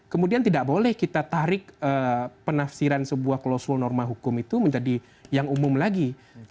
kemudian tidak boleh kita tarik penafsiran sebuah klausul norma hukum itu menjadi yang umum lagi